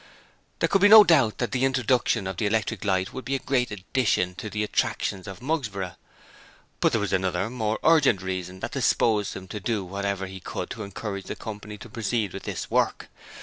There could be no doubt that the introduction of the electric light would be a great addition to the attractions of Mugsborough, but there was another and more urgent reason that disposed him to do whatever he could to encourage the Company to proceed with this work.